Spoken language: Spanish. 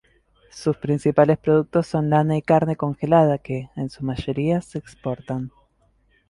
Sus principales productos son lana y carne congelada que, en su mayoría, se exportan.